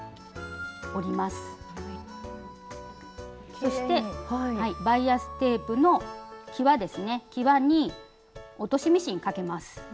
そしてバイアステープのきわに落としミシンかけます。